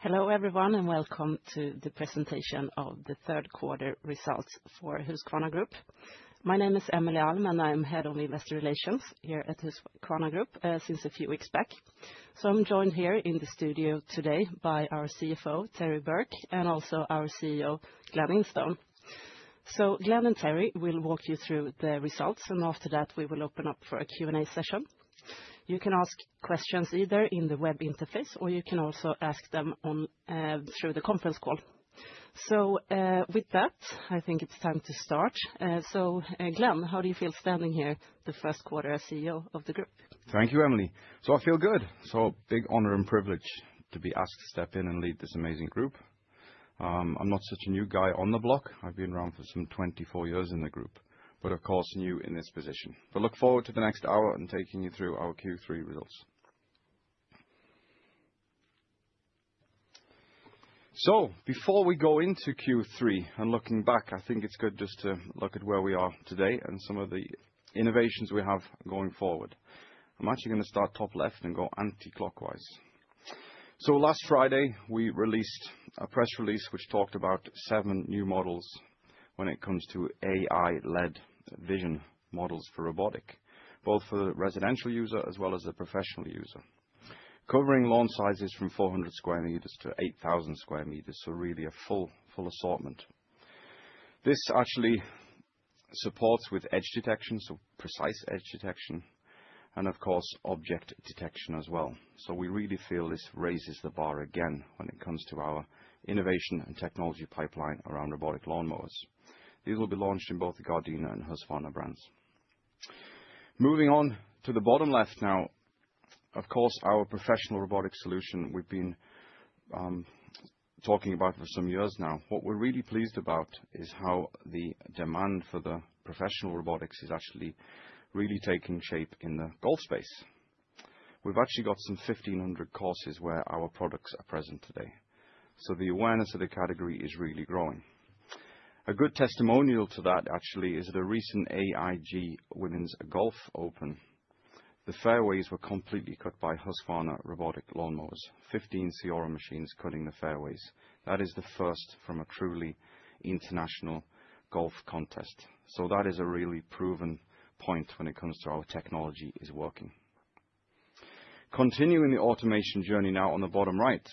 Hello, everyone, and welcome to the presentation of the Q3 Results for Husqvarna Group. My name is Emelie Alm, and I'm Head of Investor Relations here at Husqvarna Group since a few weeks back, so I'm joined here in the studio today by our CFO, Terry Burke, and also our CEO, Glen Instone, so Glen and Terry will walk you through the results and after that we will open up for a Q&A session. You can ask questions either in the web interface or you can also ask them through the conference call, so with that, I think it's time to start, so Glen, how do you feel standing here the Q1 as CEO of the group? Thank you, Emelie. So I feel good. So big honor and privilege to be asked to step in and lead this amazing group. I'm not such a new guy on the block. I've been around for some 24 years in the group, but of course new in this position. But look forward to the next hour and taking you through our Q3 Results. So before we go into Q3 and looking back, I think it's good just to look at where we are today and some of the innovations we have going forward. I'm actually going to start top left and go counterclockwise. So last Friday we released a press release which talked about seven new models when it comes to AI-led vision models for robotic, both for the residential user as well as the professional user, covering lawn sizes from 400 sq m to 8,000 sq m. So really a full assortment. This actually supports with edge detection, so precise edge detection, and of course object detection as well. So we really feel this raises the bar again when it comes to our innovation and technology pipeline around robotic lawnmowers. These will be launched in both the Gardena and Husqvarna brands. Moving on to the bottom left now, of course our professional robotic solution we've been talking about for some years now. What we're really pleased about is how the demand for the professional Robotics is actually really taking shape in the golf space. We've actually got some 1,500 courses where our products are present today. So the awareness of the category is really growing. A good testimonial to that actually is the recent AIG Women's Golf Open. The fairways were completely cut by Husqvarna robotic lawnmowers, 15 CEORA machines cutting the fairways. That is the first from a truly international golf contest, so that is a really proven point when it comes to our technology is working. Continuing the automation journey now on the bottom right,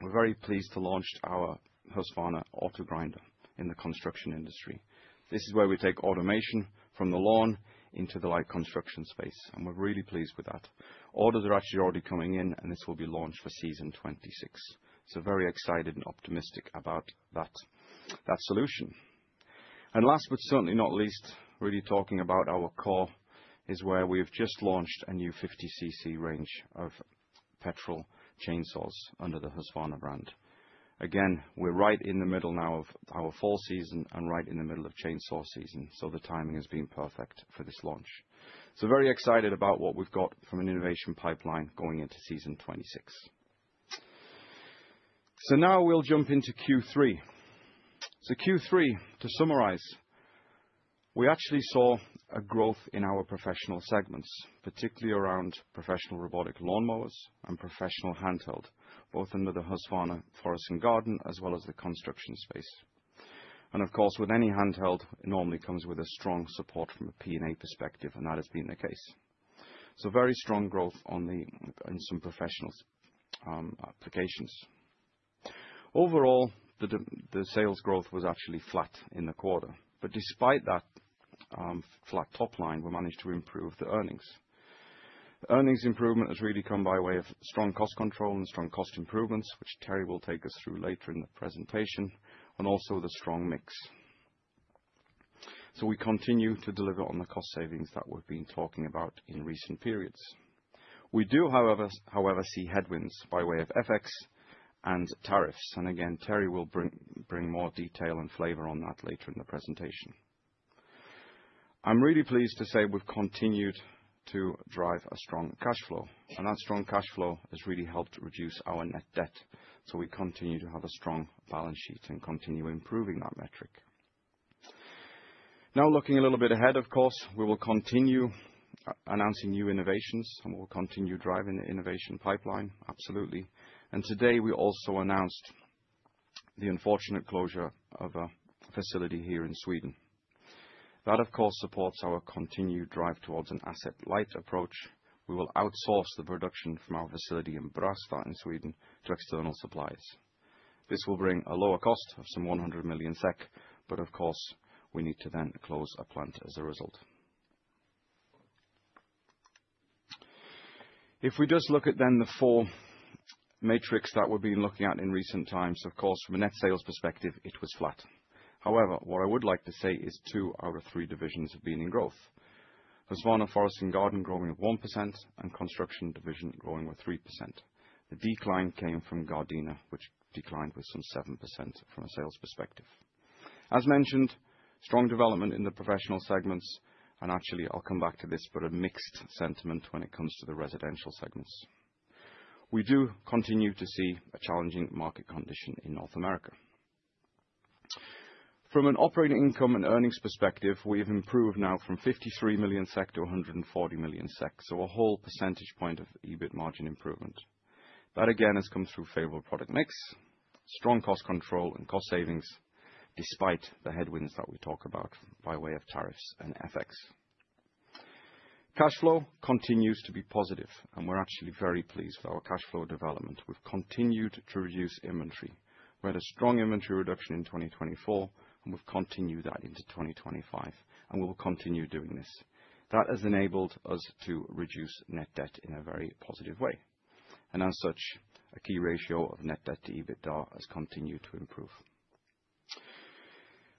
we're very pleased to launch our Husqvarna Autogrinder in the construction industry. This is where we take automation from the lawn into the light construction space, and we're really pleased with that. Orders are actually already coming in, and this will be launched for season 26, so very excited and optimistic about that that solution, and last but certainly not least, really talking about our core is where we've just launched a new 50 cc Range of Petrol Chainsaws under the Husqvarna brand. Again, we're right in the middle now of our fall season and right in the middle of chainsaw season, so the timing has been perfect for this launch. So very excited about what we've got from an innovation pipeline going into season 26. So now we'll jump into Q3. So Q3, to summarize, we actually saw a growth in our professional segments, particularly around professional robotic lawnmowers and professional handheld, both under the Husqvarna Forest and Garden as well as the construction space. And of course with any handheld, it normally comes with a strong support from a P&A perspective and that has been the case. So very strong growth on some professional applications. Overall, the sales growth was actually flat in the quarter, but despite that flat top line, we managed to improve the earnings. Earnings improvement has really come by way of strong cost control and strong cost improvements, which Terry will take us through later in the presentation, and also the strong mix. So we continue to deliver on the cost savings that we've been talking about in recent periods. We do, however, see headwinds by way of FX and tariffs. And again, Terry will bring bring more detail and flavor on that later in the presentation. I'm really pleased to say we've continued to drive a strong cash flow. And that strong cash flow has really helped reduce our net debt. So we continue to have a strong balance sheet and continue improving that metric. Now looking a little bit ahead, of course, we will continue announcing new innovations and we'll continue driving the innovation pipeline, absolutely. And today we also announced the unfortunate closure of a facility here in Sweden. That, of course, supports our continued drive towards an asset-light approach. We will outsource the production from our facility in Brastad in Sweden to external suppliers. This will bring a lower cost of some 100 million SEK, but of course we need to then close a plant as a result. If we just look at then the four metrics that we've been looking at in recent times, of course, from a net sales perspective, it was flat. However, what I would like to say is two out of three divisions have been in growth. Husqvarna Forest and Garden growing at 1% and Construction Division growing with 3%. The decline came from Gardena, which declined with some 7% from a sales perspective. As mentioned, strong development in the professional segments, and actually I'll come back to this, but a mixed sentiment when it comes to the Residential segments. We do continue to see a challenging market condition in North America. From an operating income and earnings perspective, we have improved now from 53 million SEK to 140 million SEK, so a whole percentage point of EBIT margin improvement. That again has come through favorable product mix, strong cost control and cost savings despite the headwinds that we talk about by way of tariffs and FX. Cash flow continues to be positive and we're actually very pleased with our cash flow development. We've continued to reduce inventory. We had a strong inventory reduction in 2024 and we've continued that into 2025 and we will continue doing this. That has enabled us to reduce net debt in a very positive way. And as such, a key ratio of net debt to EBITDA has continued to improve.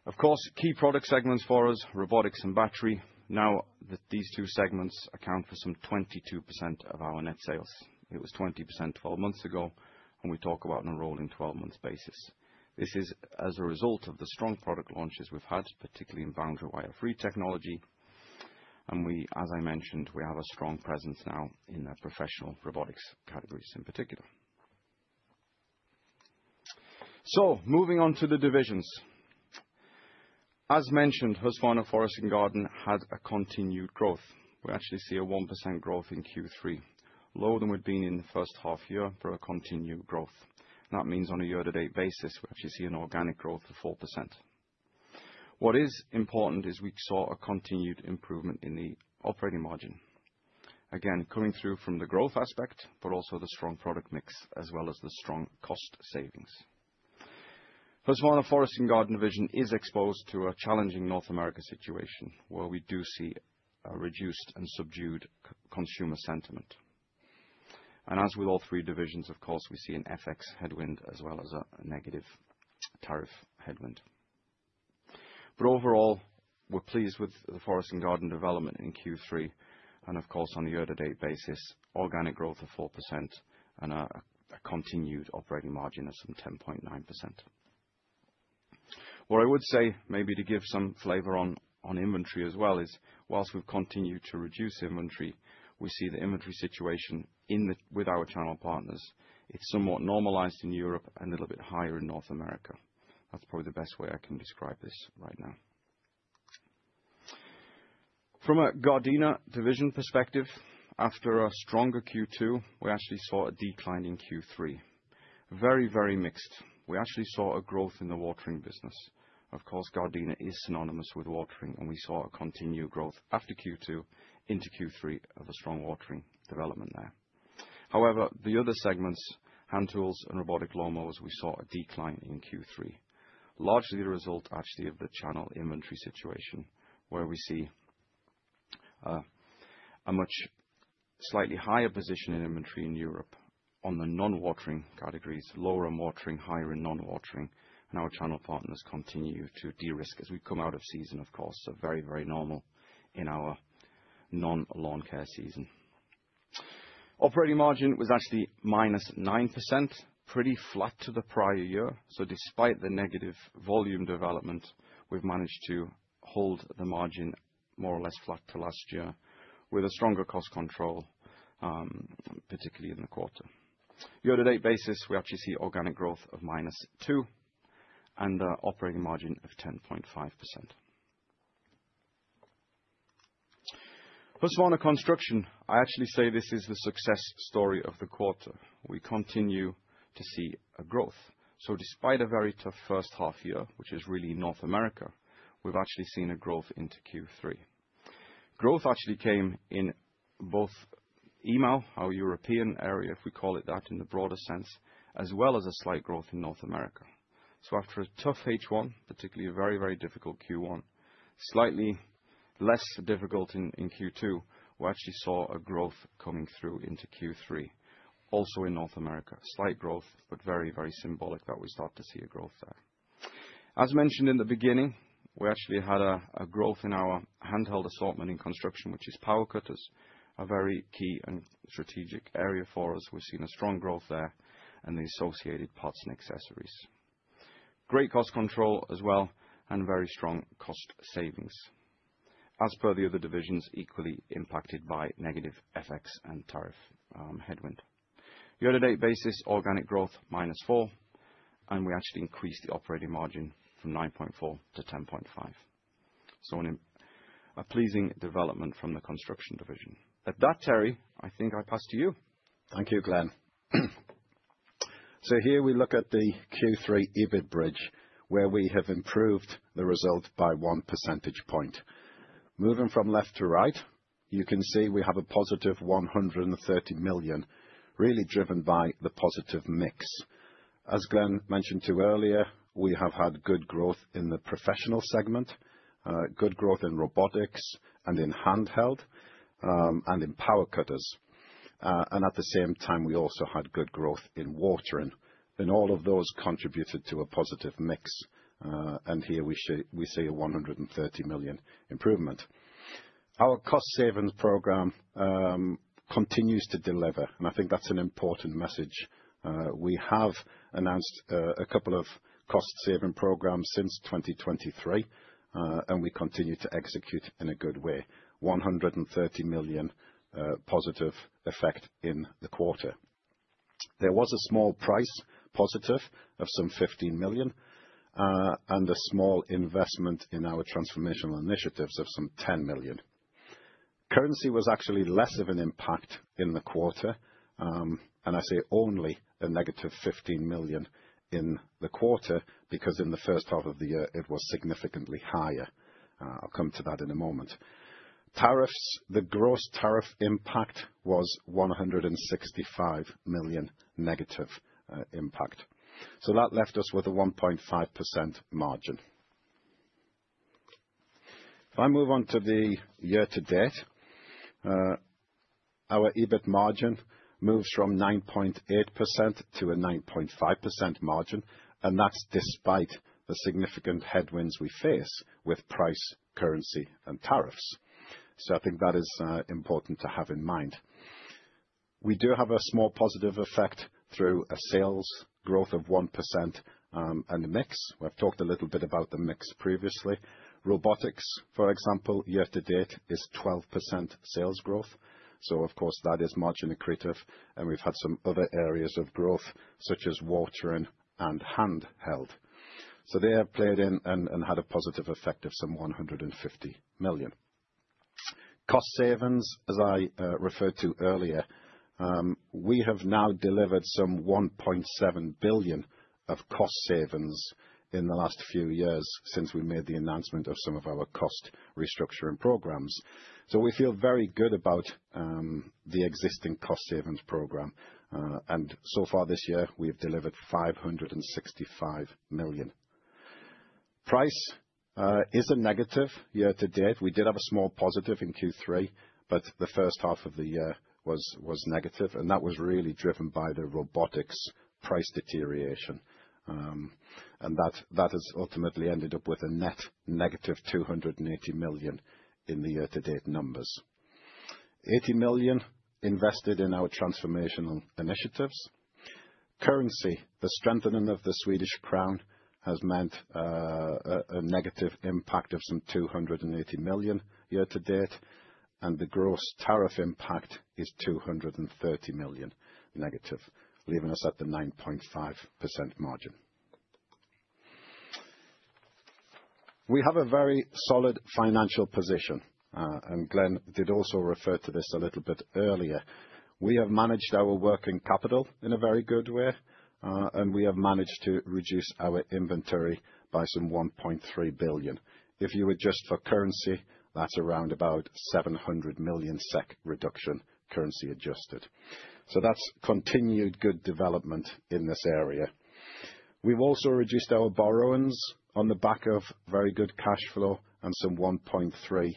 Of course, key product segments for us, Robotics and Battery, now that these two segments account for some 22% of our net sales. It was 20% 12 months ago and we talk about rolling 12 months basis. This is as a result of the strong product launches we've had, particularly in boundary wire-free technology. And we, as I mentioned, we have a strong presence now in the professional Robotics categories in particular. So moving on to the divisions. As mentioned, Husqvarna Forest and Garden had a continued growth. We actually see a 1% growth in Q3, lower than we'd seen in the first half year for a continued growth. That means on a year-to-date basis, we actually see an organic growth of 4%. What is important is we saw a continued improvement in the operating margin. Again, coming through from the growth aspect, but also the strong product mix as well as the strong cost savings. Husqvarna Forest and Garden division is exposed to a challenging North America situation where we do see a reduced and subdued consumer sentiment. And as with all three divisions, of course, we see an FX headwind as well as a negative tariff headwind. But overall, we're pleased with the Forest and Garden development in Q3. And of course, on a year-to-date basis, organic growth of 4% and a continued operating margin of some 10.9%. What I would say maybe to give some flavor on inventory as well is while we've continued to reduce inventory, we see the inventory situation with our channel partners. It's somewhat normalized in Europe and a little bit higher in North America. That's probably the best way I can describe this right now. From a Gardena division perspective, after a stronger Q2, we actually saw a decline in Q3. Very, very mixed. We actually saw a growth in the Watering business. Of course, Gardena is synonymous with Watering and we saw a continued growth after Q2 into Q3 of a strong watering development there. However, the other segments, Hand Tools and Robotic Lawnmowers, we saw a decline in Q3. Largely the result actually of the channel inventory situation where we see a much slightly higher position in inventory in Europe on the non-watering categories, lower on watering, higher in non-watering, and our channel partners continue to de-risk as we come out of season, of course, so very, very normal in our non-lawn care season. Operating margin was actually -9%, pretty flat to the prior year, so despite the negative volume development, we've managed to hold the margin more or less flat to last year with a stronger cost control, particularly in the quarter. Year-to-date basis, we actually see organic growth of -2% and an operating margin of 10.5%. Husqvarna Construction, I actually say this is the success story of the quarter. We continue to see a growth. So despite a very tough first half year, which is really North America, we've actually seen a growth into Q3. Growth actually came in both EMEA, our European area, if we call it that in the broader sense, as well as a slight growth in North America. So after a tough H1, particularly a very, very difficult Q1, slightly less difficult in Q2, we actually saw a growth coming through into Q3, also in North America. Slight growth, but very, very symbolic that we start to see a growth there. As mentioned in the beginning, we actually had a growth in our Handheld Assortment in Construction, which is Power Cutters, a very key and strategic area for us. We've seen a strong growth there and the associated parts and accessories. Great cost control as well and very strong cost savings. As per the other divisions, equally impacted by negative FX and tariff headwind. Year-to-date basis, organic growth -4%, and we actually increased the operating margin from 9.4% to 10.5%, so a pleasing development from the construction division. With that, Terry, I think I pass to you. Thank you, Glen. So here we look at the Q3 EBIT bridge where we have improved the result by one percentage point. Moving from left to right, you can see we have a positive 130 million, really driven by the positive mix. As Glen mentioned too earlier, we have had good growth in the professional segment, good growth in Robotics and in Handheld and in Power Cutters. And at the same time, we also had good growth in Watering. And all of those contributed to a positive mix. And here we see a 130 million improvement. Our cost-savings program continues to deliver. And I think that's an important message. We have announced a couple of cost-saving programs since 2023, and we continue to execute in a good way. 130 million positive effect in the quarter. There was a small price positive of some 15 million and a small investment in our transformational initiatives of some 10 million. Currency was actually less of an impact in the quarter. And I say only a negative 15 million in the quarter because in the first half of the year it was significantly higher. I'll come to that in a moment. Tariffs, the gross tariff impact was 165 million negative impact. So that left us with a 1.5% margin. And we move on to the year-to-date, our EBIT margin moves from 9.8% to a 9.5% margin. And that's despite the significant headwinds we face with price, currency, and tariffs. So I think that is important to have in mind. We do have a small positive effect through a sales growth of 1% and the mix. We've talked a little bit about the mix previously. Robotics, for example, year-to-date is 12% sales growth. So of course, that is margin-accretive. And we've had some other areas of growth such as Watering and Handheld. So they have played in and and had a positive effect of some 150 million. Cost-savings, as I referred to earlier, we have now delivered some 1.7 billion of cost-savings in the last few years since we made the announcement of some of our cost restructuring programs. So we feel very good about the existing cost-savings program. And so far this year, we've delivered 565 million. Price is a negative year-to-date. We did have a small positive in Q3, but the first half of the year was was negative. And that was really driven by the Robotics price deterioration. And that that has ultimately ended up with a net negative 280 million in the year-to-date numbers. 80 million invested in our transformational initiatives. Currency, the strengthening of the Swedish crown has meant a negative impact of some 280 million year-to-date. And the gross tariff impact is 230 million negative, leaving us at the 9.5% margin. We have a very solid financial position. And Glen did also refer to this a little bit earlier. We have managed our working capital in a very good way. And we have managed to reduce our inventory by some 1.3 billion. If you adjust for currency, that's around about 700 million SEK SEK reduction currency adjusted. So that's continued good development in this area. We've also reduced our borrowings on the back of very good cash flow and some 1.3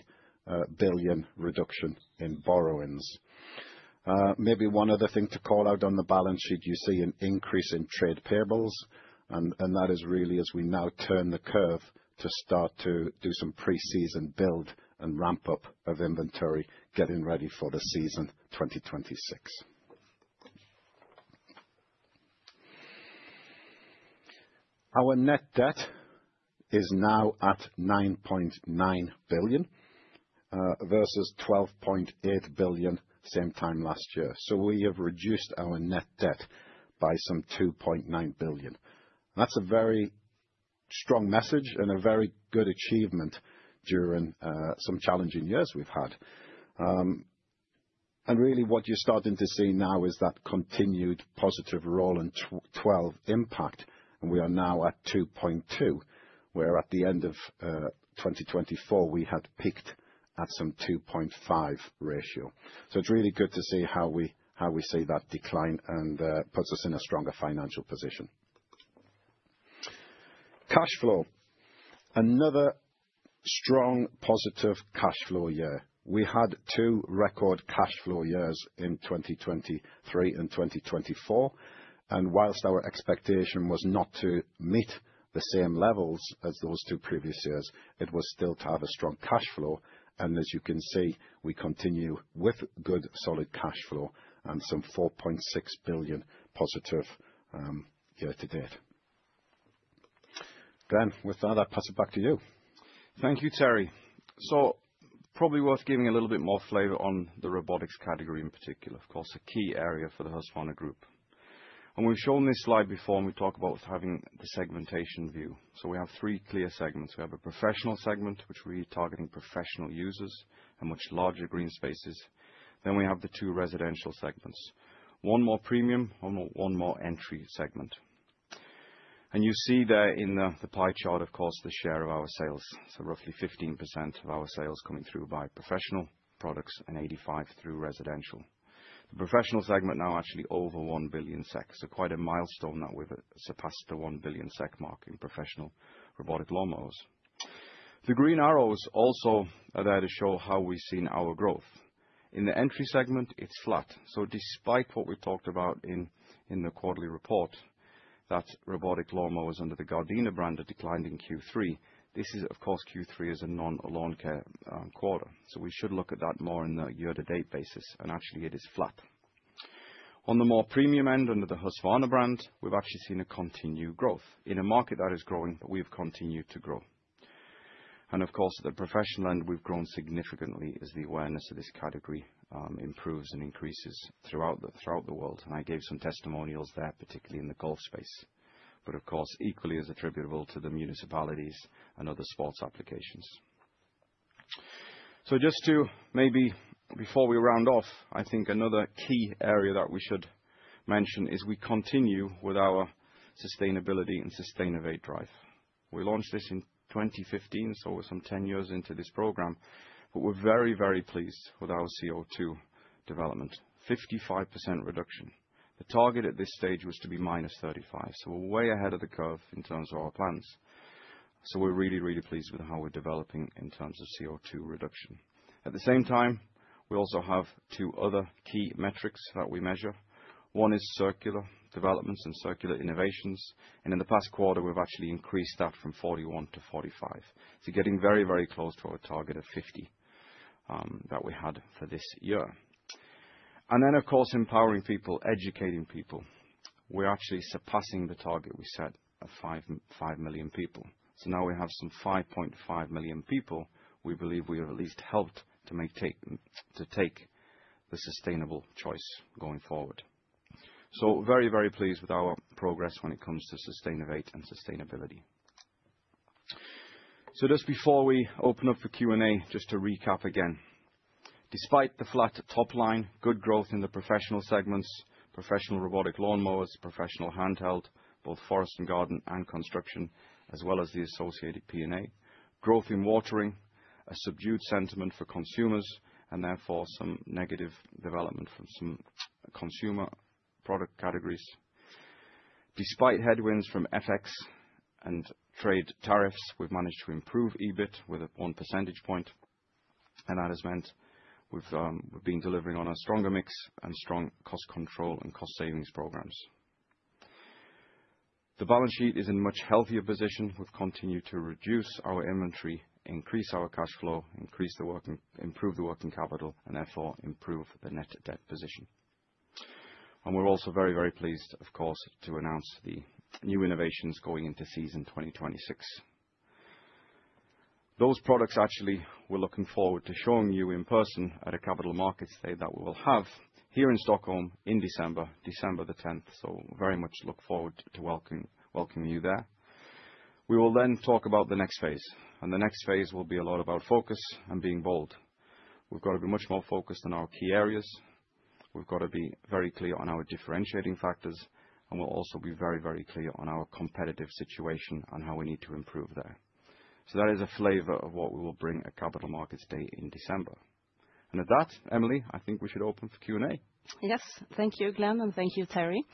billion reduction in borrowings. Maybe one other thing to call out on the balance sheet, you see an increase in trade payables. And and that is really as we now turn the curve to start to do some pre-season build and ramp up of inventory, getting ready for the season 2026. Our net debt is now at 9.9 billion versus 12.8 billion same time last year. So we have reduced our net debt by some 2.9 billion. That's a very strong message and a very good achievement during some challenging years we've had. And really what you're starting to see now is that continued positive roll and 12 impact. And we are now at 2.2, where at the end of 2024 we had picked at some 2.5 ratio. So it's really good to see how we see that decline and puts us in a stronger financial position. Cash flow: another strong positive cash flow year. We had two record cash flow years in 2023 and 2024. And whilst our expectation was not to meet the same levels as those two previous years, it was still to have a strong cash flow. And as you can see, we continue with good solid cash flow and some 4.6 billion positive year-to-date. Glen, with that, I pass it back to you. Thank you, Terry. So probably worth giving a little bit more flavor on the Robotics category in particular, of course, a key area for the Husqvarna Group. And we've shown this slide before and we talk about having the segmentation view. So we have three clear segments. We have a Professional Segment, which we are targeting professional users and much larger green spaces. Then we have the two Residential Segments, one more Premium or one more Entry Segment. And you see there in the pie chart, of course, the share of our sales. So roughly 15% of our sales coming through by Professional products and 85% through Residential. The Professional Segment now actually over 1 billion SEK. So quite a milestone that we've surpassed the 1 billion SEK mark in Professional Robotic Lawnmowers. The green arrows also are there to show how we've seen our growth. In the Entry Segment, it's flat. So despite what we talked about in the quarterly report, that Robotic Lawnmowers under the Gardena brand are declined in Q3, this is of course Q3 as a non-lawn care quarter. So we should look at that more in the year-to-date basis, and actually it is flat. On the more Premium end under the Husqvarna brand, we've actually seen a continued growth in a market that is growing, but we have continued to grow. And of course the Professional end, we've grown significantly as the awareness of this category improves and increases throughout the world. And I gave some testimonials there, particularly in the golf space. But of course, equally as attributable to the municipalities and other sports applications. So just to maybe before we round off, I think another key area that we should mention is we continue with our sustainability and sustainability drive. We launched this in 2015, so we're some 10 years into this program. But we're very, very pleased with our CO2 development, 55% reduction. The target at this stage was to be minus 35. So we're way ahead of the curve in terms of our plans. So we're really, really pleased with how we're developing in terms of CO2 reduction. At the same time, we also have two other key metrics that we measure. One is Circular Developments and Circular Innovations. And in the past quarter, we've actually increased that from 41 to 45. So getting very, very close to our target of 50 that we had for this year. And then of course, empowering people, educating people. We're actually surpassing the target we set of 5 million people. So now we have some 5.5 million people. We believe we have at least helped to take the sustainable choice going forward. So very, very pleased with our progress when it comes to Sustainovate and sustainability. So just before we open up for Q&A, just to recap again. Despite the flat top line, good growth in the Professional Segments, Professional Robotic Lawnmowers, Professional Handheld, both Forest and Garden and Construction, as well as the associated P&A, growth in Watering, a subdued sentiment for consumers, and therefore some negative development from some consumer product categories. Despite headwinds from FX and trade tariffs, we've managed to improve EBIT with a one percentage point, and that has meant we've been delivering on a stronger mix and strong cost control and cost savings programs. The balance sheet is in a much healthier position. We've continued to reduce our inventory, increase our cash flow, improve the working capital, and therefore improve the net debt position, and we're also very, very pleased, of course, to announce the new innovations going into season 2026. Those products, actually, we're looking forward to showing you in person at a Capital Markets Day that we will have here in Stockholm in December, December the 10th, so very much look forward to welcoming you there. We will then talk about the next phase, and the next phase will be a lot about focus and being bold. We've got to be much more focused on our key areas. We've got to be very clear on our differentiating factors. And we'll also be very, very clear on our competitive situation and how we need to improve there. So that is a flavor of what we will bring at Capital Markets Day in December. And at that, Emely, I think we should open for Q&A. Yes, thank you, Glen, and thank you, Terry.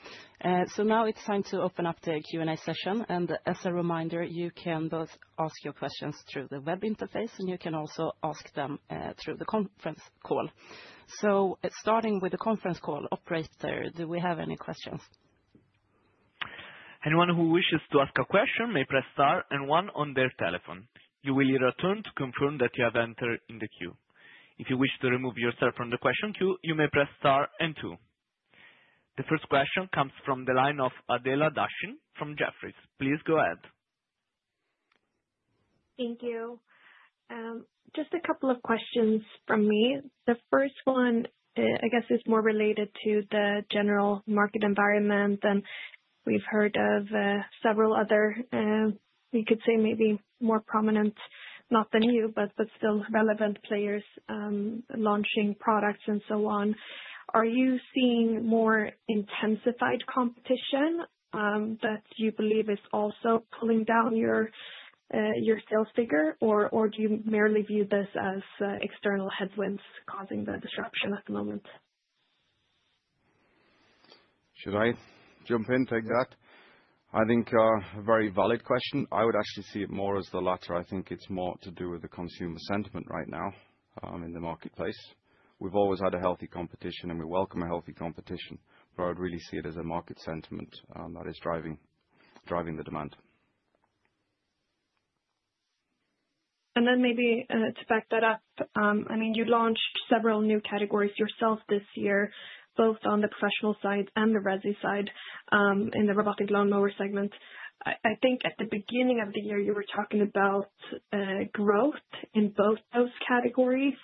So now it's time to open up the Q&A session. And as a reminder, you can both ask your questions through the web interface, and you can also ask them through the conference call. So starting with the conference call operator, do we have any questions? Anyone who wishes to ask a question may press star and one on their telephone. You will hear a tone to confirm that you have entered in the queue. If you wish to remove yourself from the question queue, you may press star and two. The first question comes from the line of Adela Dashian from Jefferies. Please go ahead. Thank you. Just a couple of questions from me. The first one, I guess, is more related to the general market environment, and we've heard of several other, you could say maybe more prominent, not the new, but still relevant players launching products and so on. Are you seeing more intensified competition that you believe is also pulling down your sales figure, or or do you merely view this as external headwinds causing the disruption at the moment? Should I jump in, take that? I think a very valid question. I would actually see it more as the latter. I think it's more to do with the consumer sentiment right now in the marketplace. We've always had a healthy competition, and we welcome a healthy competition. But I would really see it as a market sentiment that is driving, driving the demand. And then maybe to back that up, I mean, you launched several new categories yourself this year, both on the Professional side and the Resi side in the Robotic Lawnmower Segment. I think at the beginning of the year, you were talking about growth in both those categories.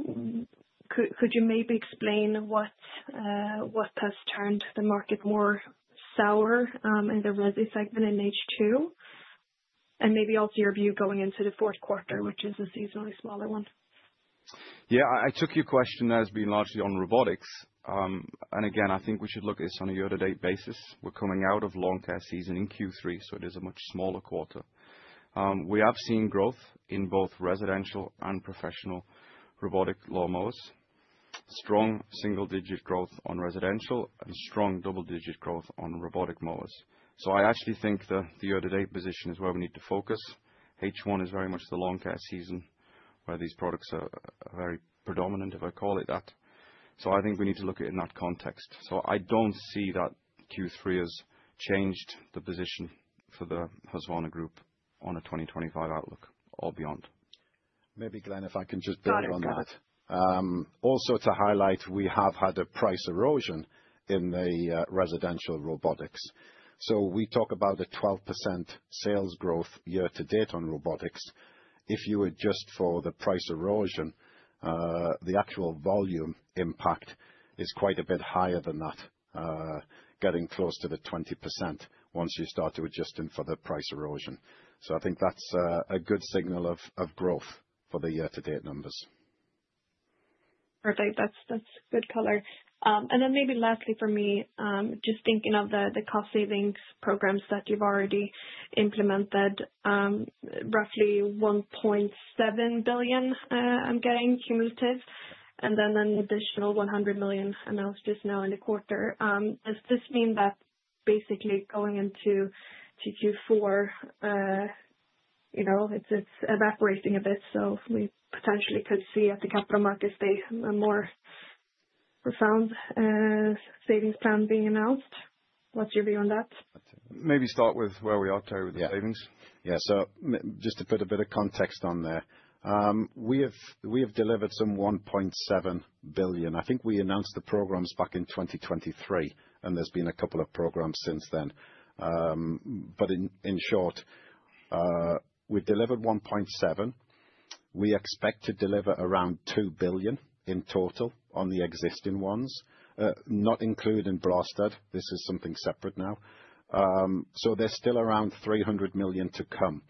Could you maybe explain what, what has turned the market more sour in the Resi segment in H2? And maybe also your view going into the Q4, which is a seasonally smaller one? Yeah, I took your question as being largely on Robotics. And again, I think we should look at this on a year-to-date basis. We're coming out of lawn care season in Q3, so it is a much smaller quarter. We have seen growth in both Residential and Professional Robotic Lawnmowers. Strong single-digit growth on Residential and strong double-digit growth on Robotic mowers. So I actually think the year-to-date position is where we need to focus. H1 is very much the lawn care season where these products are very predominant, if I call it that. So I think we need to look at it in that context. So I don't see that Q3 has changed the position for the Husqvarna Group on a 2025 outlook or beyond. Maybe, Glen, if I can just build on that. Go ahead. Also, to highlight, we have had a price erosion in the Residential Robotics. So we talk about a 12% sales growth year-to-date on Robotics. If you adjust for the price erosion, the actual volume impact is quite a bit higher than that, getting close to the 20% once you start to adjust in for the price erosion. So I think that's a good signal of growth for the year-to-date numbers. Perfect. That's good color. And then maybe lastly for me, just thinking of the cost-savings programs that you've already implemented, roughly 1.7 billion, I'm getting cumulative. And then an additional 100 million announced just now in the quarter. Does this mean that basically going into Q4, you know, it's evaporating a bit? So we potentially could see at the Capital Markets Day a more profound savings plan being announced. What's your view on that? Maybe start with where we are, Terry, with the savings. Yeah, so just to put a bit of context on there, we have, we've delivered some 1.7 billion. I think we announced the programs back in 2023, and there's been a couple of programs since then. But in short, we delivered 1.7. We expect to deliver around 2 billion in total on the existing ones, not included in Brastad. This is something separate now. So there's still around 300 million to come.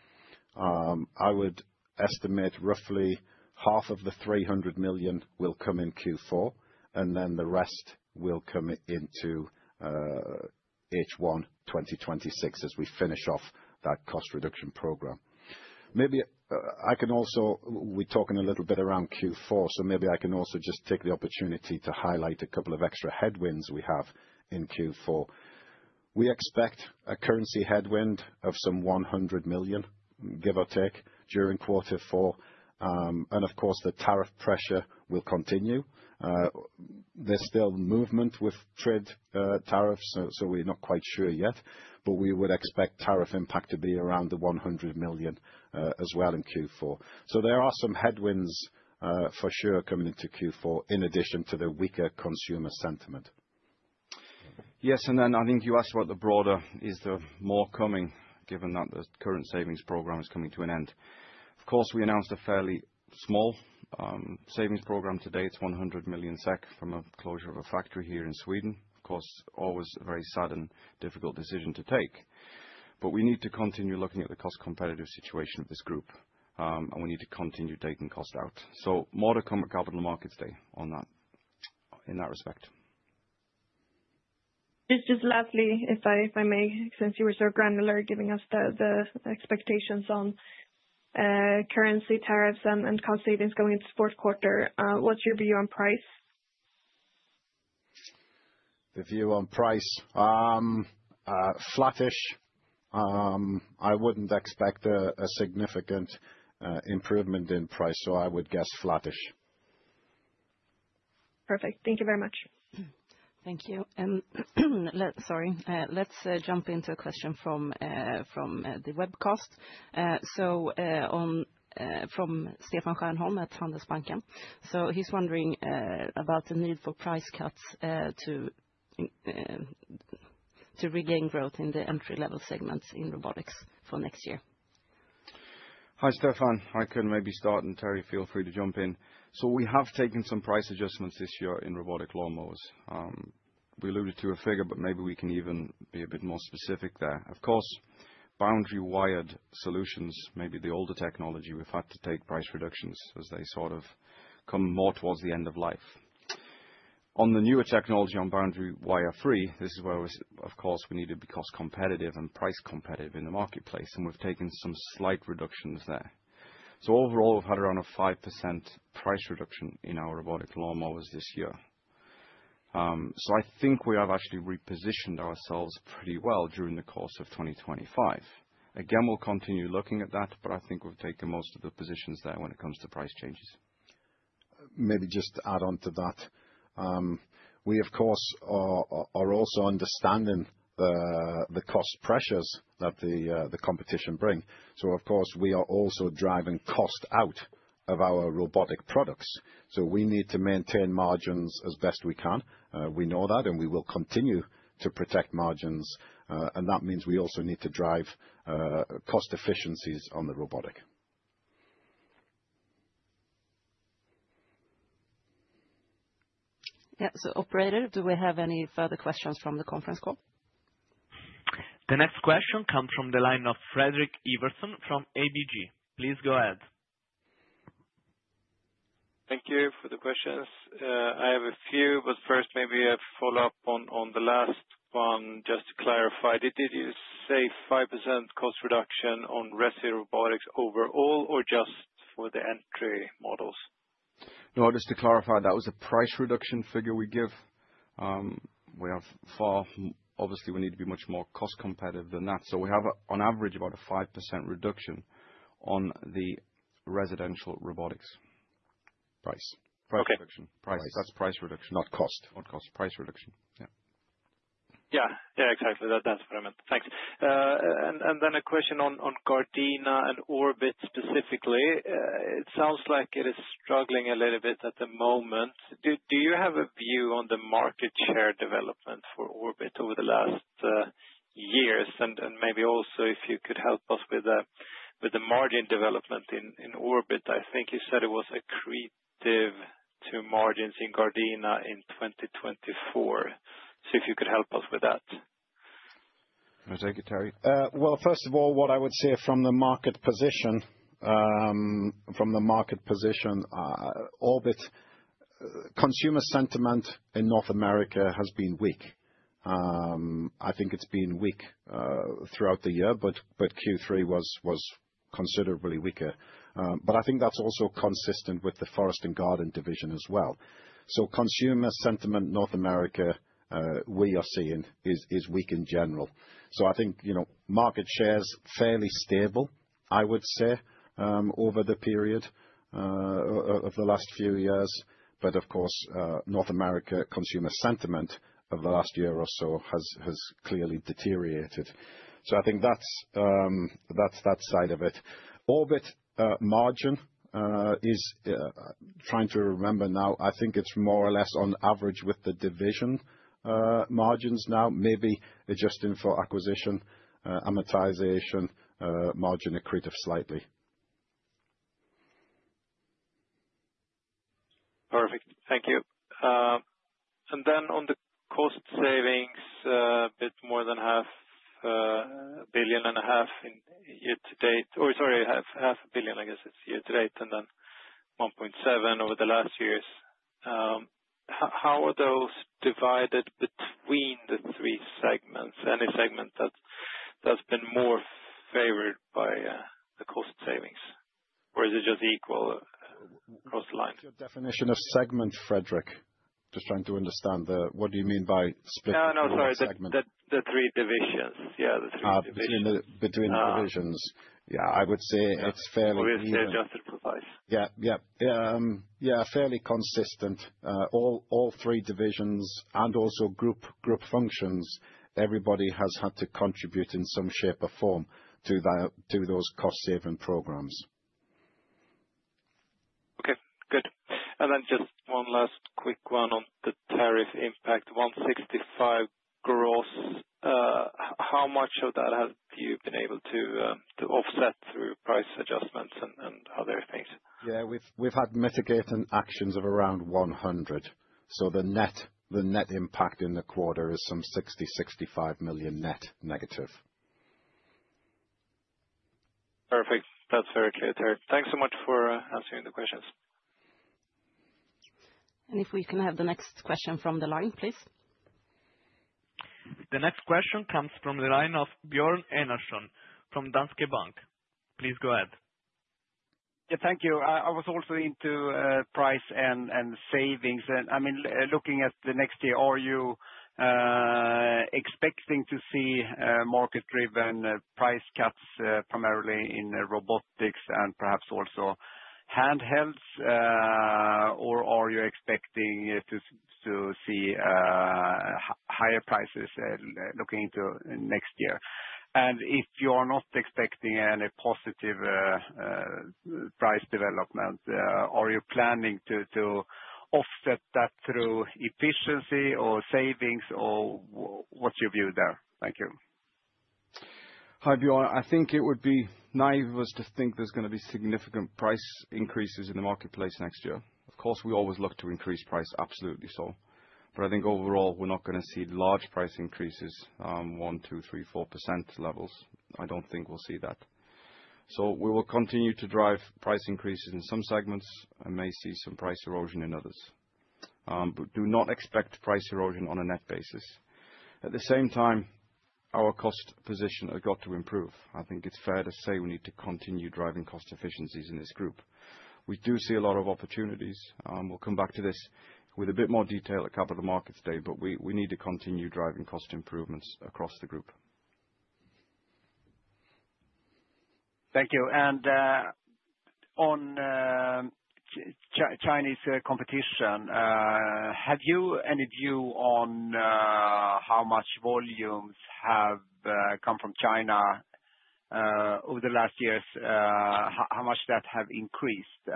I would estimate roughly half of the 300 million will come in Q4, and then the rest will come into H1 2026 as we finish off that cost-reduction program. Maybe I can also, we're talking a little bit around Q4, so maybe I can also just take the opportunity to highlight a couple of extra headwinds we have in Q4. We expect a currency headwind of some 100 million, give or take, during quarter four. Of course, the tariff pressure will continue. There's still movement with trade tariffs, so we're not quite sure yet. But we would expect tariff impact to be around 100 million as well in Q4. So there are some headwinds for sure coming into Q4 in addition to the weaker consumer sentiment. Yes, and then I think you asked about the broader, is there more coming given that the current savings program is coming to an end? Of course, we announced a fairly small savings program today. It's 100 million SEK from a closure of a factory here in Sweden. Of course, always a very sudden, difficult decision to take. But we need to continue looking at the cost competitive situation of this group, and we need to continue taking cost out. So more to come at Capital Markets Day on that, in that respect. Just lastly, if I may, since you were so granular giving us the expectations on currency tariffs and cost savings going into Q4, what's your view on price? The view on price, flattish. I wouldn't expect a significant improvement in price, so I would guess flattish. Perfect. Thank you very much. Thank you. And sorry, let's jump into a question from from the webcast. And so from Stefan Stjernholm at Handelsbanken. So he's wondering about the need for price cuts to regain growth in the entry-level segments in Robotics for next year. Hi Stefan. I can maybe start, and Terry, feel free to jump in. So we have taken some price adjustments this year in Robotic Lawnmowers. We alluded to a figure, but maybe we can even be a bit more specific there. Of course, boundary-wire solutions, maybe the older technology, we've had to take price reductions as they sort of come more towards the end of life. On the newer technology on boundary wire-free, this is where of course we need to be cost competitive and price competitive in the marketplace. And we've taken some slight reductions there. So overall, we've had around a 5% price reduction in our robotic lawnmowers this year. So I think we have actually repositioned ourselves pretty well during the course of 2025. Again, we'll continue looking at that, but I think we've taken most of the positions there when it comes to price changes. Maybe just to add on to that, we of course are also understanding the cost pressures that the competition brings, so of course, we are also driving cost out of our robotic products, so we need to maintain margins as best we can. We know that, and we will continue to protect margins, and that means we also need to drive cost efficiencies on the robotic. Yeah, so operator, do we have any further questions from the conference call? The next question comes from the line of Fredrik Ivarsson from ABG. Please go ahead. Thank you for the questions. I have a few, but first maybe a follow-up on the last one, just to clarify. Did you say 5% cost reduction on Resi Robotics overall or just for the Entry Models? No, just to clarify, that was a price reduction figure we give. We have far, obviously, we need to be much more cost competitive than that, so we have on average about a 5% reduction on the Residential Robotics price. Okay. Price reduction. That's price reduction, not cost. Okay. Not cost, price reduction. Yeah. Yeah, yeah, exactly. That's what I meant. Thanks. And then a question on Gardena and Orbit specifically. It sounds like it is struggling a little bit at the moment. Do you have a view on the market share development for Orbit over the last years? And maybe also if you could help us with the margin development in Orbit. I think you said it was accretive to margins in Gardena in 2024. So if you could help us with that. I'll take it, Terry. Well, first of all, what I would say, from the market position, from the market position, Orbit, consumer sentiment in North America has been weak. I think it's been weak throughout the year, but but Q3 was was considerably weaker. But I think that's also consistent with the forest and garden division as well. So consumer sentiment in North America we are seeing is weak in general. So I think, you know, market share is fairly stable, I would say, over the period of the last few years. But of course, North America consumer sentiment over the last year or so has clearly deteriorated. So I think that's that side of it. Orbit margin is trying to remember now. I think it's more or less on average with the division margins now. Maybe adjusting for acquisition, amortization, margin accretive slightly. Perfect. Thank you. And then on the cost savings, a bit more than 0.5 billion and a half in year-to-date, or sorry, 0.5 billion, I guess it's year-to-date, and then 1.7 billion over the last years. How how are those divided between the three segments? Any segment that's been more favored by the cost savings, or is it just equal across the line? Your definition of segment, Fredrik, just trying to understand what do you mean by splitting the segment? No, no, sorry. The three divisions. Yeah, the three divisions. Between the divisions. Yeah, I would say it's fairly consistent. Or is it adjusted for price? Yeah, yeah. Yeah, fairly consistent. All all three divisions and also group functions, everybody has had to contribute in some shape or form to those cost-saving programs. Okay, good. And then just one last quick one on the tariff impact. 165 gross, how much of that have you been able to offset through price adjustments and other things? Yeah, we've had mitigating actions of around 100 million. So the net, the net impact in the quarter is some 60-65 million net negative. Perfect. That's very clear, Terry. Thanks so much for answering the questions. If we can have the next question from the line, please. The next question comes from the line of Björn Enarson from Danske Bank. Please go ahead. Yeah, thank you. I was also into price and and savings, and I mean, looking at the next year, are you expecting to see market-driven price cuts primarily in Robotics and perhaps also Handhelds, or are you expecting to see higher prices looking into next year, and if you are not expecting any positive price development, are you planning to offset that through efficiency or savings, or what's your view there? Thank you. Hi, Björn. I think it would be naive of us to think there's going to be significant price increases in the marketplace next year. Of course, we always look to increase price, absolutely, so. But I think overall, we're not going to see large price increases, 1%, 2%, 3%, 4% levels. I don't think we'll see that. So we will continue to drive price increases in some segments and may see some price erosion in others. But do not expect price erosion on a net basis. At the same time, our cost position has got to improve. I think it's fair to say we need to continue driving cost efficiencies in this group. We do see a lot of opportunities. We'll come back to this with a bit more detail at Capital Markets Day, but we we need to continue driving cost improvements across the group. Thank you. And on Chinese competition, have you any view on how much volumes have come from China over the last years? How much that have increased in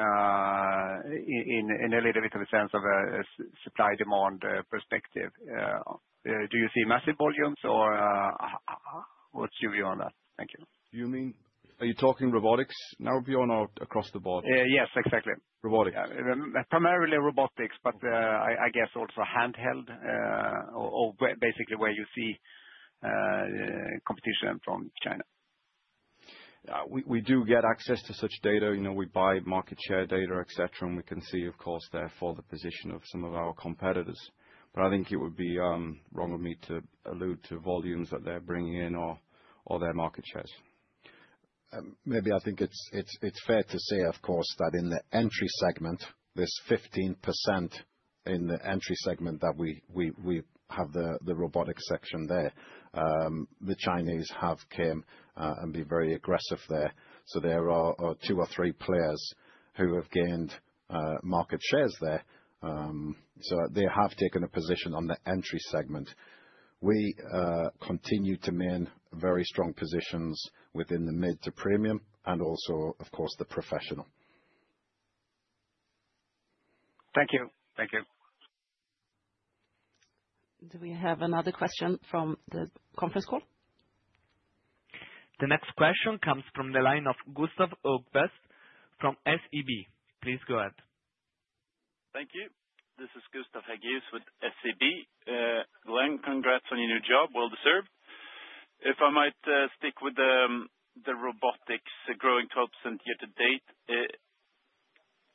a little bit of a sense of a supply-demand perspective? Do you see massive volumes, or what's your view on that? Thank you. Do you mean, are you talking Robotics now, Björn, or across the board? Yes, exactly. Robotics. Primarily Robotics, but I guess also Handheld, or basically where you see competition from China. We do get access to such data. We buy market share data, etc., and we can see, of course, therefore the position of some of our competitors. But I think it would be wrong of me to allude to volumes that they're bringing in or their market shares. Maybe I think it's fair to say, of course, that in the entry segment, there's 15% in the entry segment that we we have the Robotics section there. The Chinese have come and been very aggressive there. So there are two or three players who have gained market shares there. So they have taken a position on the entry segment. We continue to maintain very strong positions within the mid to premium and also, of course, the professional. Thank you. Thank you. Do we have another question from the conference call? The next question comes from the line of Gustav Hagéus from SEB. Please go ahead. Thank you. This is Gustav Hagéus with SEB. Glen, congrats on your new job, well deserved. If I might stick with the robotics, growing 12% year-to-date.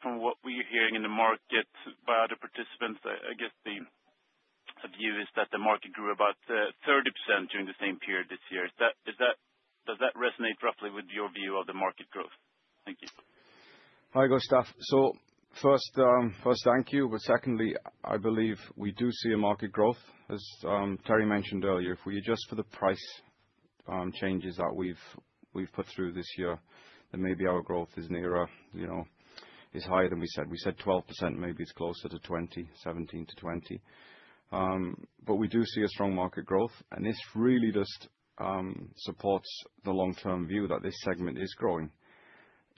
From what we're hearing in the market by other participants, I guess the view is that the market grew about 30% during the same period this year. Does that, does that resonate roughly with your view of the market growth? Thank you. Hi, Gustav, so first, thank you, but secondly, I believe we do see a market growth, as Terry mentioned earlier, just for the price changes that we've put through this year, and maybe our growth, you know, is higher than we said. We said 12%, maybe it's closer to 20%, 17%-20%, but we do see a strong market growth, and this really just supports the long-term view that this segment is growing.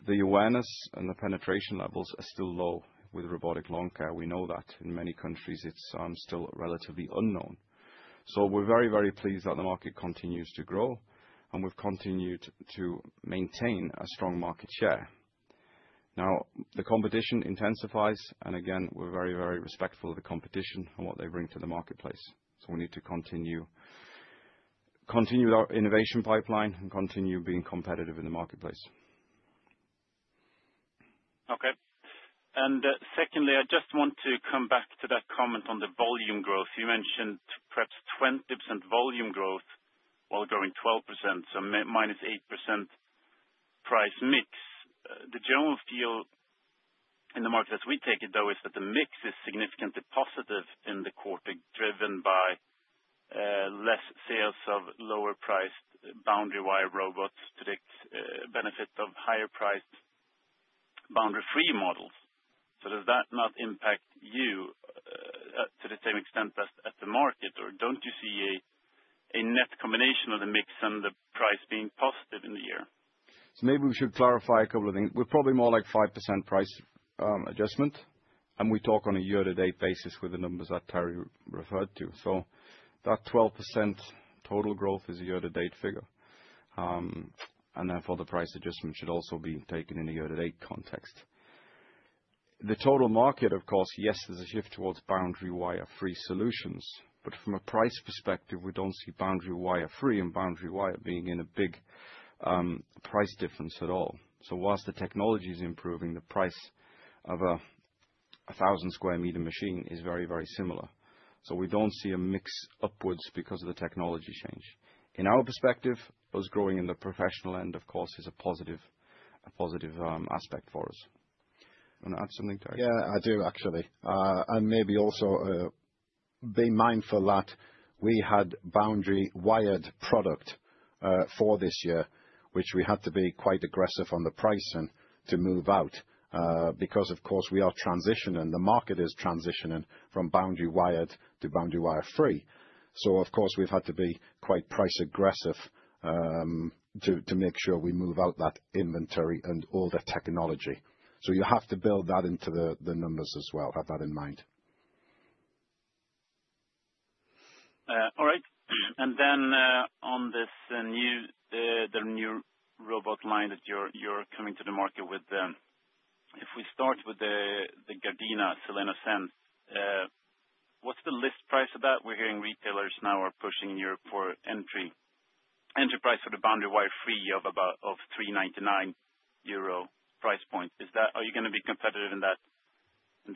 The awareness and the penetration levels are still low with Robotic Lawn care. And we know that in many countries, it's still relatively unknown, so we're very, very pleased that the market continues to grow, and we've continued to maintain a strong market share. Now, the competition intensifies, and again, we're very, very respectful of the competition and what they bring to the marketplace, so we need to continue, continue our innovation pipeline and continue being competitive in the marketplace. Okay. And secondly, I just want to come back to that comment on the volume growth. You mentioned perhaps 20% volume growth while growing 12%, so minus 8% price mix. The general feel in the market as we take it, though, is that the mix is significantly positive in the quarter, driven by less sales of lower-priced boundary wire robots to the benefit of higher-priced boundary-free models. So does that not impact you to the same extent as at the market, or don't you see a net combination of the mix and the price being positive in the year? So maybe we should clarify a couple of things. We're probably more like 5% price adjustment, and we talk on a year-to-date basis with the numbers that Terry referred to. So that 12% total growth is a year-to-date figure. And then for the price adjustment, it should also be taken in a year-to-date context. And the total market, of course, yes, there's a shift towards boundary wire-free solutions. But from a price perspective, we don't see boundary wire-free and boundary wire being in a big price difference at all. So whilst the technology is improving, the price of a 1,000-square-meter machine is very, very similar. So we don't see a mix upwards because of the technology change. In our perspective, us growing in the professional end, of course, is a positive aspect for us. Do you want to add something, Terry? Yeah, I do, actually, and maybe also be mindful that we had boundary-wired product for this year, which we had to be quite aggressive on the pricing to move out because, of course, we are transitioning. The market is transitioning from boundary-wired to boundary wire-free. So, of course, we've had to be quite price-aggressive to make sure we move out that inventory and all the technology. So you have to build that into the numbers as well. Have that in mind. All right. And then on this new, the new robot line that you're you're coming to the market with, if we start with the Gardena SILENO, what's the list price of that? We're hearing retailers now are pushing in Europe for entry price for the boundary wire-free of about 399 euro price point. Are you going to be competitive in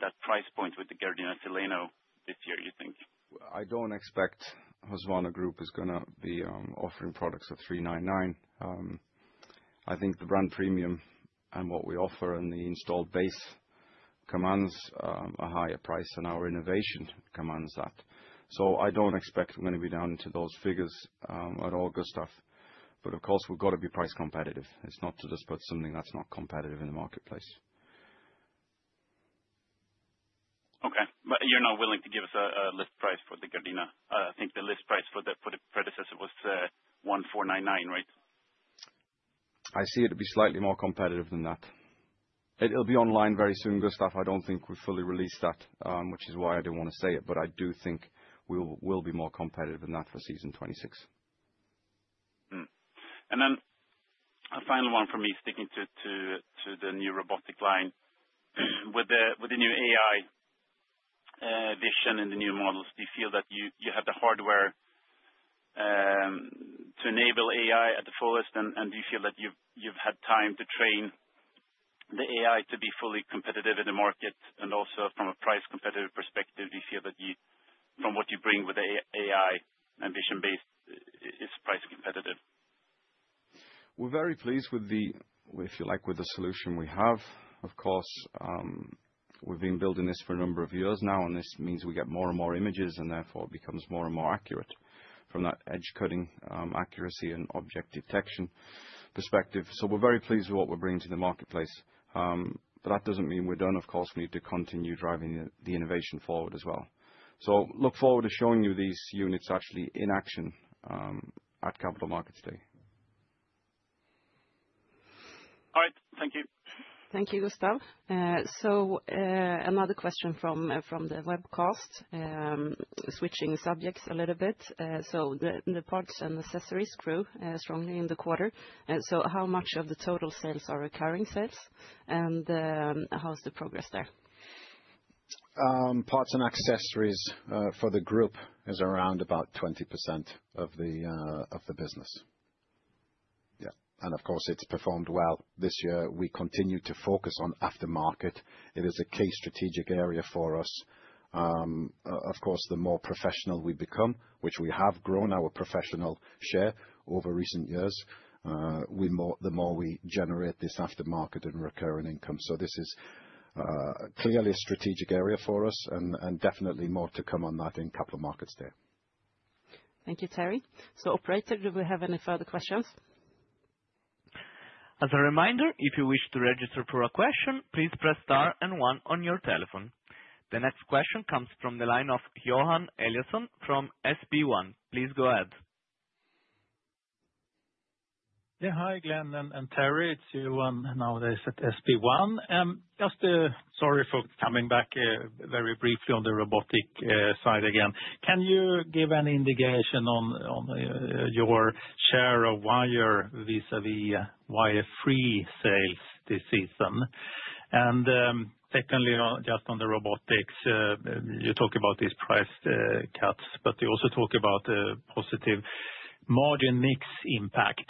that price point with the Gardena SILENO this year, do you think? I don't expect Husqvarna Group is going to be offering products at 399. I think the brand premium and what we offer and the installed base commands a higher price than our innovation commands that. So I don't expect we're going to be down into those figures at all, Gustav. But of course, we've got to be price competitive. It's not to just put something that's not competitive in the marketplace. Okay. But you're not willing to give us a list price for the Gardena? I think the list price for the predecessor was €1499, right? I see it to be slightly more competitive than that. It'll be online very soon, Gustav. I don't think we've fully released that, which is why I don't want to say it. But I do think we'll be more competitive than that for season 26. And then a final one from me, sticking tto o the new robotic line. With the new AI vision and the new models, do you feel that you have the hardware to enable AI at the fullest? And do you feel that you've had time to train the AI to be fully competitive in the market? And also, from a price competitive perspective, do you feel that from what you bring with the AI and vision-based, it's price competitive? We're very pleased with the, if you like, with the solution we have. Of course, we've been building this for a number of years now, and this means we get more and more images, and therefore it becomes more and more accurate from that edge-cutting accuracy and object detection perspective. So we're very pleased with what we're bringing to the marketplace. But that doesn't mean we're done. Of course, we need to continue driving the innovation forward as well. So look forward to showing you these units actually in action at Capital Markets Day. All right. Thank you. Thank you, Gustav. So another question from from the webcast, switching subjects a little bit. So the parts and accessories grew strongly in the quarter. And so how much of the total sales are recurring sales? And how's the progress there? Parts and accessories for the group is around about 20% of the business. Yeah, and of course, it's performed well this year. We continue to focus on aftermarket. It is a key strategic area for us. Of course, the more professional we become, which we have grown our professional share over recent years, we more, the more we generate this aftermarket and recurring income, so this is clearly a strategic area for us and definitely more to come on that in Capital Markets Day. Thank you, Terry. So, operator, do we have any further questions? As a reminder, if you wish to register for a question, please press star and one on your telephone. The next question comes from the line of Johan Eliason from SB1. Please go ahead. Yeah. Hi, Glen and Terry. It's you nowadays at SB1. Just sorry for coming back very briefly on the robotic side again. Can you give an indication on your share of wire vis-à-vis wire-free sales this season? And secondly, just on the Robotics, you talk about these price cuts, but you also talk about the positive margin mix impact.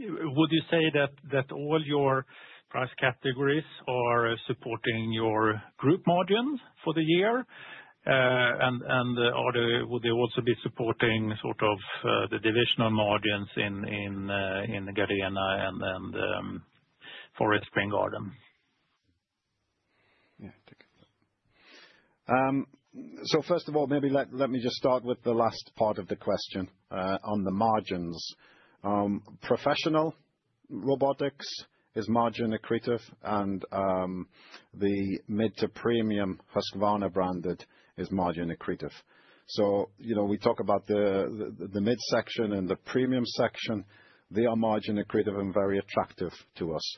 Would you say that all your price categories are supporting your group margin for the year? And and would they also be supporting sort of the divisional margins in in in Gardena and Forest and Garden? Yeah. So first of all, maybe let me just start with the last part of the question on the margins. Professional Robotics is margin accretive, and the mid to Premium Husqvarna branded is margin accretive. So you know, we talk about the Mid Section and the Premium Section. They are margin accretive and very attractive to us.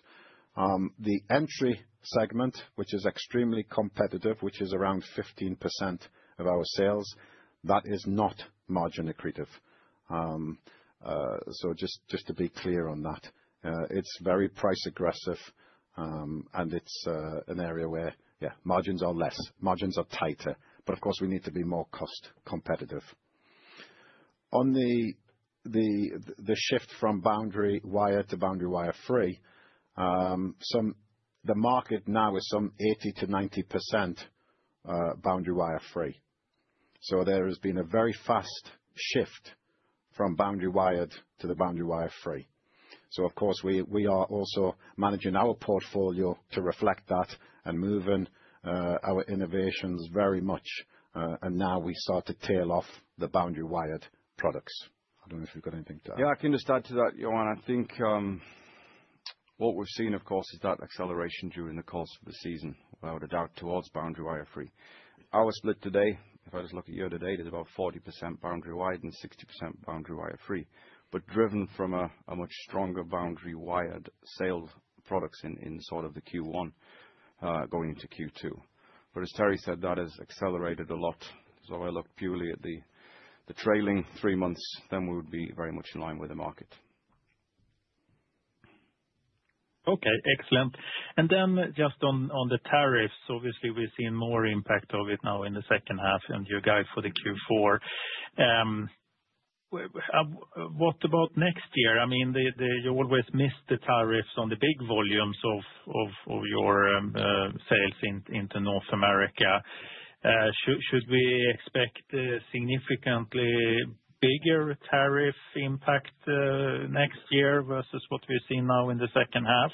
The Entry Segment, which is extremely competitive, which is around 15% of our sales, that is not margin accretive. So just to be clear on that, it's very price aggressive, and it's an area where, yeah, margins are less. Margins are tighter. But of course, we need to be more cost competitive. On the the shift from boundary wire to boundary wire-free, so the market now is some 80%-90% boundary wire-free. So there has been a very fast shift from boundary wired to the boundary wire-free. So, of course, we are also managing our portfolio to reflect that and moving our innovations very much. And now we start to tail off the boundary-wired products. I don't know if you've got anything to add. Yeah, I can just add to that, Johan. I think what we've seen, of course, is that acceleration during the course of the season without a doubt towards boundary wire-free. Our split today, if I just look at year-to-date, is about 40% boundary-wired and 60% boundary wire-free, but driven from a much stronger boundary-wired sales products in sort of the Q1 going into Q2. But as Terry said, that has accelerated a lot. So if I look purely at the trailing three months, then we would be very much in line with the market. Okay. Excellent. And then just on on the tariffs, obviously, we've seen more impact of it now in the second half and your guide for the Q4. And what about next year? I mean, you always miss the tariffs on the big volumes of of of your sales into North America. Should we expect a significantly bigger tariff impact next year versus what we've seen now in the second half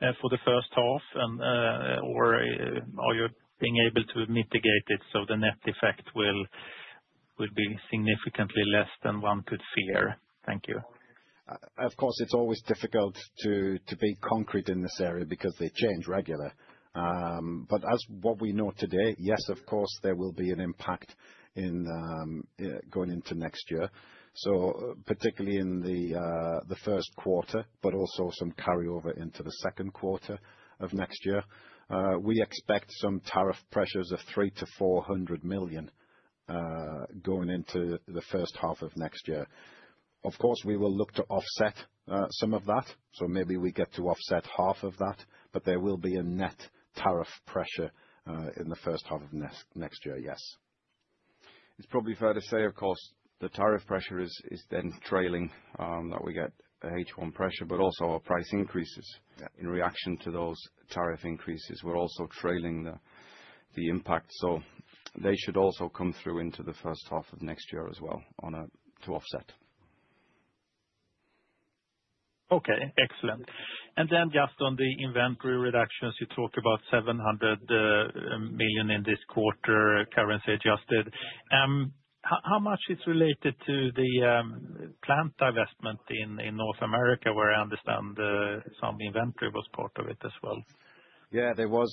and for the first half? Or are you being able to mitigate it so the net effect will will be significantly less than one could fear? Thank you. Of course, it's always difficult to to be concrete in this area because they change regularly. But as what we know today, yes, of course, there will be an impact in going into next year. So particularly in the Q1, but also some carryover into the Q2 of next year, we expect some tariff pressures of 300- 400 million going into the first half of next year. Of course, we will look to offset some of that. So maybe we get to offset half of that, but there will be a net tariff pressure in the first half of next year, yes. It's probably fair to say, of course, the tariff pressure is then trailing that we get H1 pressure, but also our price increases in reaction to those tariff increases. We're also trailing the impact. So they should also come through into the first half of next year as well to offset. Okay. Excellent. And then just on the inventory reductions, you talk about 700 million in this quarter, currency adjusted. How much is related to the plant divestment in North America, where I understand some inventory was part of it as well? Yeah, there was,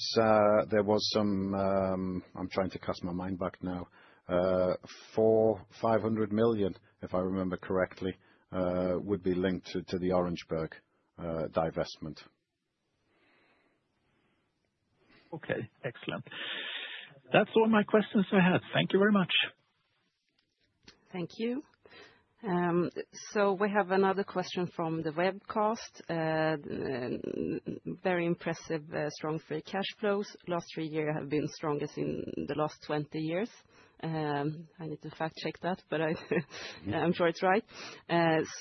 there was some (I'm trying to cast my mind back now) 500 million, if I remember correctly, would be linked to the Orangeburg divestment. Okay. Excellent. That's all my questions I had. Thank you very much. Thank you. So we have another question from the webcast. Very impressive, strong free cash flows. Last three years have been strongest in the last 20 years. I need to fact-check that, but I'm sure it's right.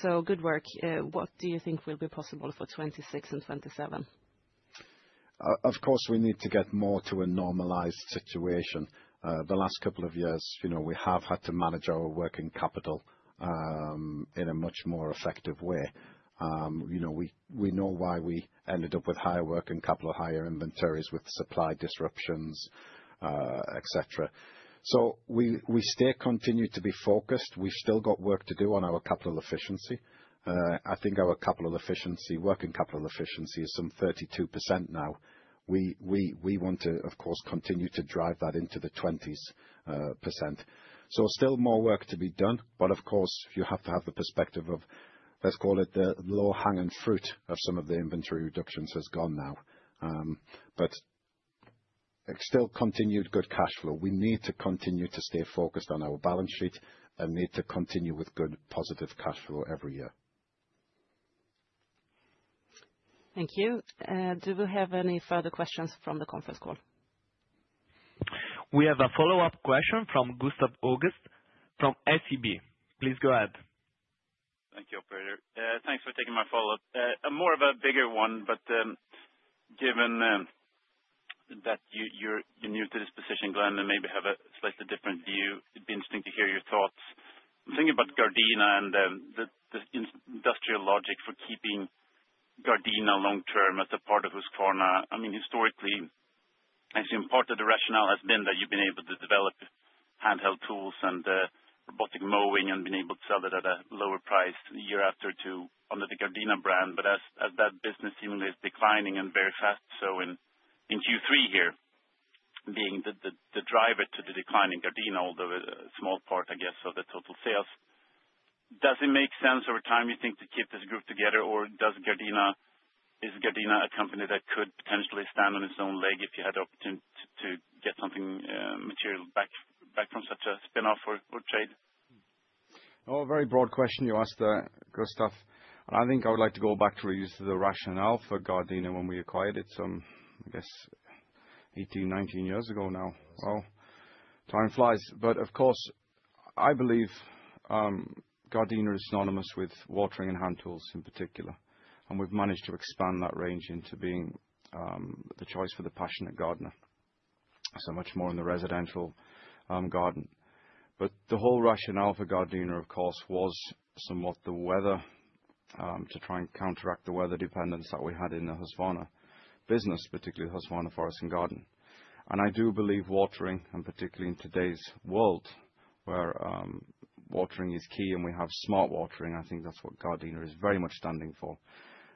So good work. What do you think will be possible for 2026 and 2027? Of course, we need to get more to a normalized situation. The last couple of years, we have had to manage our working capital in a much more effective way. We know why we ended up with higher working capital, higher inventories with supply disruptions, etc. So we still continue to be focused. We've still got work to do on our capital efficiency. I think our working capital efficiency is some 32% now. We we want to, of course, continue to drive that into the 20%. So still more work to be done. But of course, you have to have the perspective of, let's call it the low hanging fruit of some of the inventory reductions has gone now. But still continued good cash flow. We need to continue to stay focused on our balance sheet and need to continue with good positive cash flow every year. Thank you. Do we have any further questions from the conference call? We have a follow-up question from Gustav Hagéus from SEB. Please go ahead. Thank you, operator. Thanks for taking my follow-up. of a bigger one, but given that you're new to this position, Glen, and maybe have a slightly different view, it'd be interesting to hear your thoughts. I'm thinking about Gardena and the industrial logic for keeping Gardena long-term as a part of Husqvarna. I mean, historically, I assume part of the rationale has been that you've been able to develop handheld tools and robotic mowing and been able to sell it at a lower price a year or two under the Gardena brand. But as that business seemingly is declining and very fast, so in Q3 here, being the driver to the declining Gardena, although a small part, I guess, of the total sales, does it make sense over time, you think, to keep this group together? Or does Gardena, is Gardena a company that could potentially stand on its own leg if you had the opportunity to to get something material back back from such a spin-off or trade? Oh, very broad question you asked, Gustav. And I think I would like to go back to the rationale for Gardena when we acquired it, I guess, 18, 19 years ago now. Well, time flies. But of course, I believe Gardena is synonymous with watering and hand tools in particular. And we've managed to expand that range into being the choice for the passionate gardener. So much more in the residential garden. But the whole rationale for Gardena, of course, was somewhat the weather to try and counteract the weather dependence that we had in the Husqvarna business, particularly Husqvarna Forest and Garden. And I do believe watering, and particularly in today's world where watering is key and we have smart watering, I think that's what Gardena is very much standing for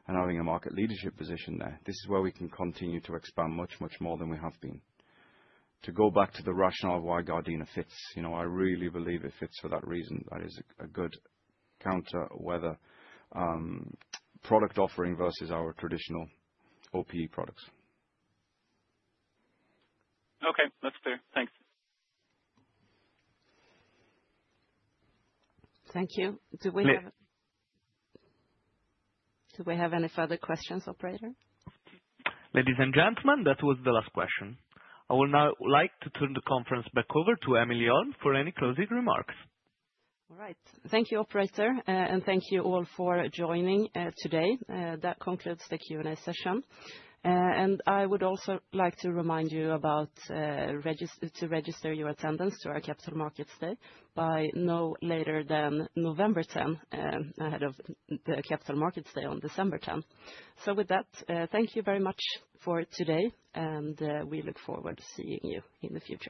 and having a market leadership position there. This is where we can continue to expand much, much more than we have been. To go back to the rationale of why Gardena fits, you know, I really believe it fits for that reason. That is a good counter weather product offering versus our traditional OPE products. Okay. That's clear. Thanks. Thank you. Do we, do we have any further questions, operator? Ladies and gentlemen, that was the last question. I would now like to turn the conference back over to Emelie Alm for any closing remarks. All right. Thank you, operator. And thank you all for joining today. That concludes the Q&A session. And I would also like to remind you about register, to register your attendance to our Capital Markets Day by no later than November 10, ahead of the Capital Markets Day on December 10. So with that, thank you very much for today, and we look forward to seeing you in the future.